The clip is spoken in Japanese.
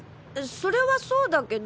それはそうだけど。